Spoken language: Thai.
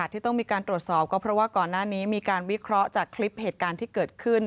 ที่ต้องมีการตรวจสอบก็เพราะว่าก่อนหน้านี้มีการวิเคราะห์จากคลิปเหตุการณ์ที่เกิดขึ้น